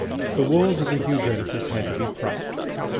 The walls of the huge edifice had to be propped.